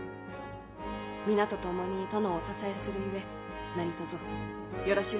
皆と共に殿をお支えするゆえ何とぞよろしゅう